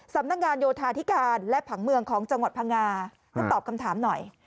สำนักงานโยธาธิการและผังเมืองของจังหวัดพังงาท่านตอบคำถามหน่อย